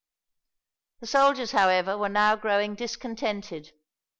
The soldiers, however, were now growing discontented.